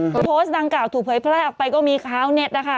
พอโพสต์ดังกล่าถูกเผยแพร่ออกไปก็มีข้าวเน็ตนะคะ